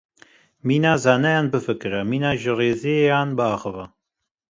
Mîna zanayan bifikire, mîna jirêzêyan biaxive.